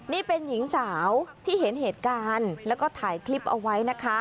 นี่เป็นหญิงสาวที่เห็นเหตุการณ์แล้วก็ถ่ายคลิปเอาไว้นะคะ